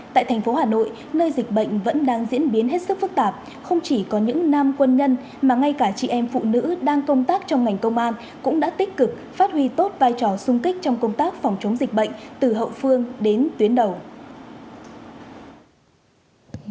tại thành phố hà nội nơi dịch bệnh vẫn đang diễn biến hết sức phức tạp không chỉ có những nam quân nhân mà ngay cả chị em phụ nữ đang công tác trong ngành công an cũng đã tích cực phát huy tốt vai trò sung kích trong công tác phòng chống dịch bệnh từ hậu phương đến tuyến đầu